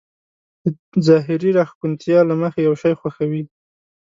د ظاهري راښکونتيا له مخې يو شی خوښوي.